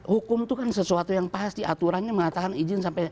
hukum itu kan sesuatu yang pasti aturannya mengatakan izin sampai